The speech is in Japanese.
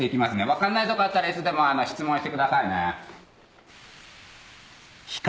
分かんないとこあったらいつでも質問してくださいね。